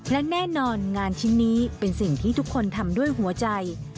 และแน่นอนงานชิ้นนี้เป็นสิ่งที่ทุกคนทำด้วยหัวใจ